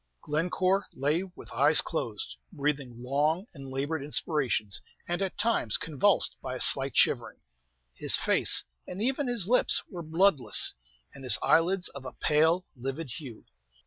Glencore lay with closed eyes, breathing long and labored inspirations, and at times convulsed by a slight shivering. His face, and even his lips, were bloodless, and his eyelids of a pale, livid hue.